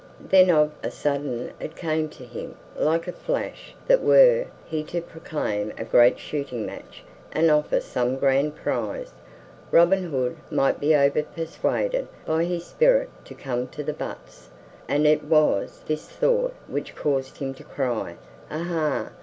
Then of a sudden it came to him like a flash that were he to proclaim a great shooting match and offer some grand prize, Robin Hood might be overpersuaded by his spirit to come to the butts; and it was this thought which caused him to cry "Aha!"